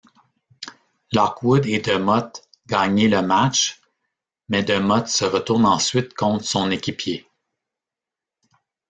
Lockwood et DeMott gagné le match, mais DeMott se retourne ensuite contre son équipier.